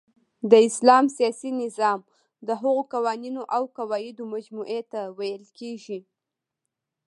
د اسلام سیاسی نظام د هغو قوانینو اوقواعدو مجموعی ته ویل کیږی